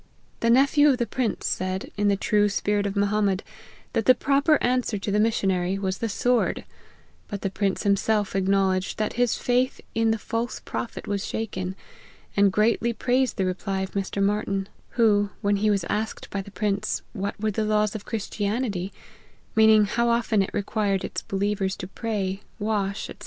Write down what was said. The nephew of the prince said, in the true spirit of Mohammed, that the proper answer to the missionary was the sword ; but the prince himself acknowledged that his faith in the false prophet was shaken, and greatly praised the reply of Mr. Martyn, who, when he was asked by the prince, what were the laws of Christianity, (meaning how often it requir ed its believers to pray, wash, &c.